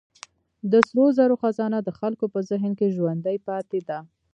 د سرو زرو خزانه د خلکو په ذهن کې ژوندۍ پاتې ده.